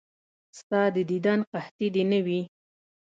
ستا د دیدن قحطي دې نه وي.